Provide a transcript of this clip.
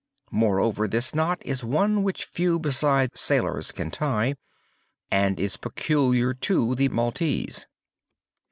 Moreover, this knot is one which few besides sailors can tie, and is peculiar to the Maltese.